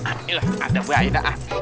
aduh aduh berani berani